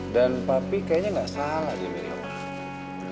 dan papi kayaknya gak salah dia meriah banget